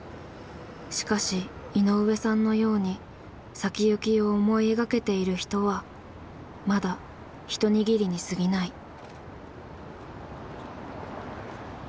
しかし井上さんのように先行きを思い描けている人はまだひと握りにすぎない。